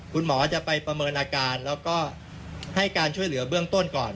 คุณหมอจะไปประเมินอาการแล้วก็ให้การช่วยเหลือเบื้องต้นก่อน